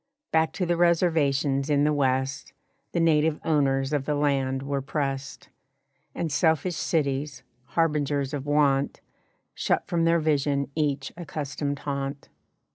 Back to the reservations in the West The native owners of the land were pressed, And selfish cities, harbingers of want, Shut from their vision each accustomed haunt.